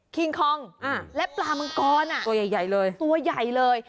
คิงคอร์งและปลามังกรตัวใหญ่เลย